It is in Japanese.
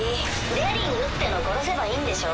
デリングってのを殺せばいいんでしょ？